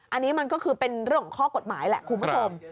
อันนี้มันก็คือเป็นเรื่องของข้อกฎหมายแหละคุณผู้ชม